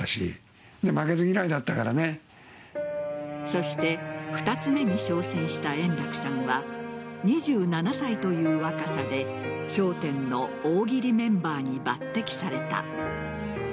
そして二ツ目に昇進した円楽さんは２７歳という若さで「笑点」の大喜利メンバーに抜擢された。